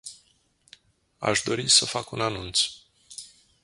Aș dori să fac un anunț.